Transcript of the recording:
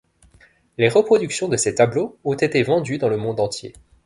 Les reproductions de ses tableaux ont été vendues dans le monde entier.